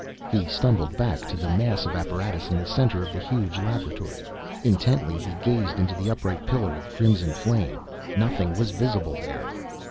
He stumbled back to the mass of apparatus in the center of the huge laboratory. Intently, he gazed into the upright pillar of crimson flame. Nothing was visible there.